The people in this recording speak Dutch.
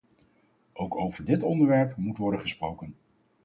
Ook over dit onderwerp moet worden gesproken.